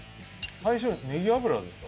最初ネギ油ですか？